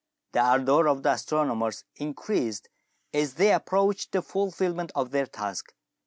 The ardour of the astronomers increased as they approached the fulfilment of their task.